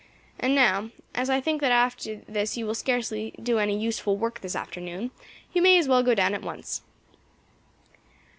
And now, as I think that after this you will scarcely do any useful work this afternoon, you may as well go down at once."